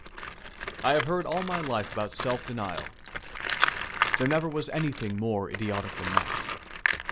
I have heard all my life about self denial. There never was anything more idiotic than that.